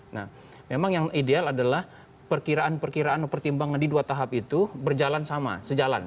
nah memang yang ideal adalah perkiraan perkiraan pertimbangan di dua tahap itu berjalan sama sejalan